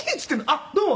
「あっどうも。